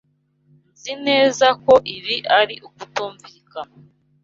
Nzi neza ko ibi ari ukutumvikana.